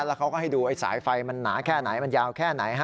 แล้วเขาก็ให้ดูไอ้สายไฟมันหนาแค่ไหนมันยาวแค่ไหนฮะ